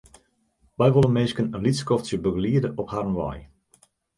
Wy wolle minsken in lyts skoftsje begeliede op harren wei.